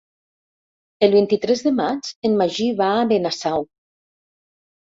El vint-i-tres de maig en Magí va a Benasau.